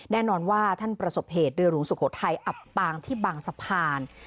แน่นอนว่าท่านประสบเหตุเรือหลวงสุโขทัยอับปางที่บางสะพาน